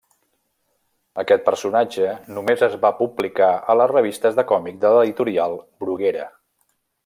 Aquest personatge només es va publicar a les revistes de còmic de l'editorial Bruguera.